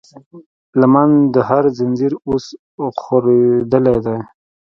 لمن د هر زنځير اوس خورېدلی دی